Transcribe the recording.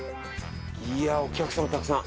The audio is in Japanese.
いやお客さんもたくさん。